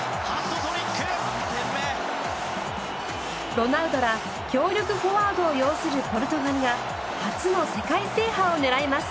ロナウドら強力フォワードを擁するポルトガルが初の世界制覇を狙います。